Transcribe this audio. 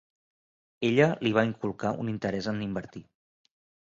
Ella li va inculcar un interès en invertir.